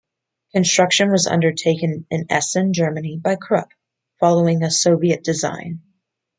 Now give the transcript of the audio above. Construction was undertaken in Essen, Germany by Krupp, following a Soviet design.